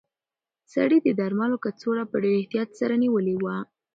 سړي د درملو کڅوړه په ډېر احتیاط سره نیولې وه.